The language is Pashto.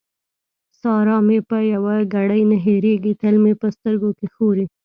سارا مې په يوه ګړۍ نه هېرېږي؛ تل مې په سترګو کې ښوري.